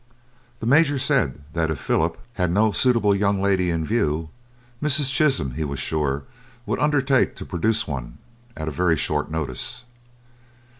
The Major said that if Philip had no suitable young lady in view, Mrs. Chisholm, he was sure, would undertake to produce one at a very short notice.